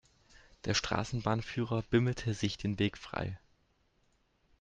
Der Straßenbahnführer bimmelte sich den Weg frei.